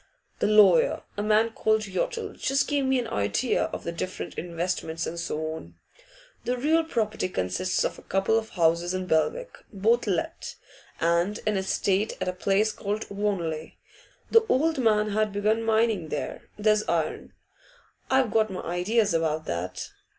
'The lawyer, a man called Yottle, just gave me an idea of the different investments and so on. The real property consists of a couple of houses in Belwick, both let, and an estate at a place called Wanley. The old man had begun mining there; there's iron. I've got my ideas about that.